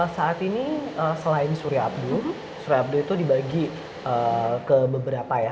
saat ini selain surya abdul surya abdul itu dibagi ke beberapa ya